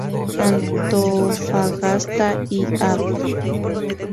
Antofagasta y Av.